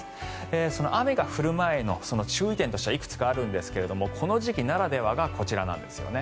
その雨が降る前の注意点としてはいくつかあるんですがこの時期ならではがこちらなんです。